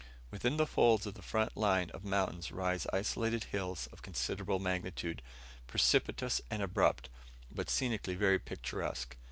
Within the folds of the front line of mountains rise isolated hills of considerable magnitude, precipitous and abrupt, but scenically very picturesque.